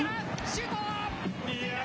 シュート。